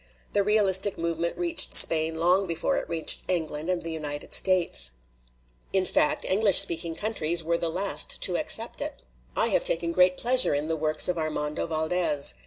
The realistic movement reached Spain long before it reached England and the United States. In fact, English speaking countries were the last to ac cept it. I have taken great pleasure in the works of Armando Valdes.